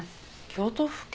京都府警？